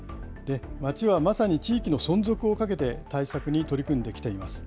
町はまさに地域の存続をかけて対策に取り組んできています。